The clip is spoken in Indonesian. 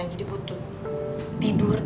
jadi butuh tidur